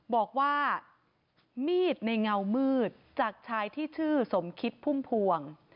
บอกว่ามีดในเงามืดจากชายที่ชื่อสมคิดพุ่มพวง